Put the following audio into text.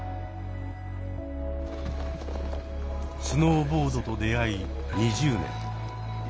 スノーボードと出会い２０年。